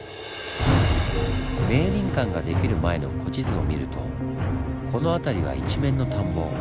明倫館が出来る前の古地図を見るとこの辺りは一面の田んぼ。